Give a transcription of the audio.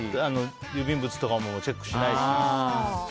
郵便物とかもチェックしないし。